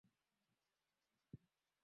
kesho ni siku ya ukimwi duniani tarehe moja